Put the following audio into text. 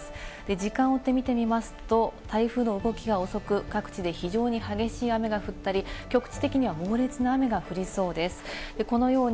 時間を追って見てみますと、台風の動きが遅く、各地で非常に激しい雨が降ったり、局地的には猛烈な雨が降りそうです。